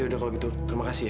yaudah kalau gitu terima kasih ya